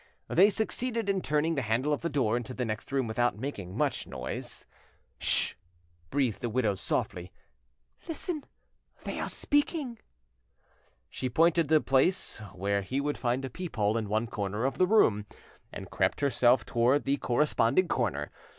They succeeded in turning the handle of the door into the next room without making much noise. "'Sh!" breathed the widow softly; "listen, they are speaking." She pointed to the place where he would find a peep hole in one corner of the room, and crept herself towards the corresponding corner.